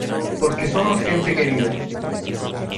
porque somos gente querida.